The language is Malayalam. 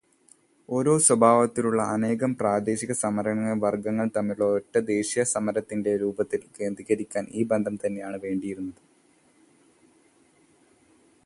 ഒരേ സ്വഭാവത്തിലുള്ള അനേകം പ്രാദേശികസമരങ്ങളെ വർഗങ്ങൾ തമ്മിലുള്ള ഒരൊറ്റ ദേശീയസമരത്തിന്റെ രൂപത്തിൽ കേന്ദ്രീകരിക്കാൻ ഈ ബന്ധം തന്നെയാണ് വേണ്ടിയിരുന്നത്.